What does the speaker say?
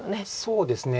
そうですね。